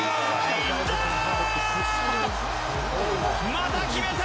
また決めた！